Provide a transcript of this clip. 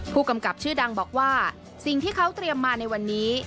ผู้กำกับชื่อดังบอกว่าสิ่งที่เขาเตรียมมาในวันนี้